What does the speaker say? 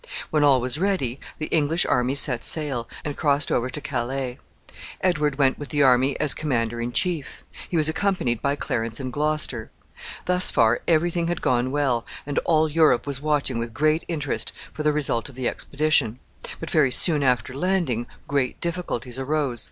When all was ready, the English army set sail, and crossed over to Calais. Edward went with the army as commander in chief. He was accompanied by Clarence and Gloucester. Thus far every thing had gone on well, and all Europe was watching with great interest for the result of the expedition; but, very soon after landing, great difficulties arose.